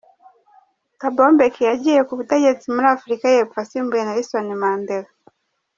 Thabo Mbeki yagiye ku butegetsi muri Afurika y’Epfo asimbuye Nelson Mandela.